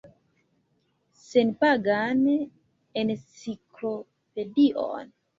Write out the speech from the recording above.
Senpagan enciklopedion.